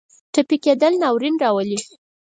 ټپي کېدل ناورین راولي.